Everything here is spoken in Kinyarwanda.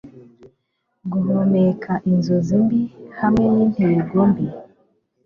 guhumeka inzozi mbi hamwe nintego mbi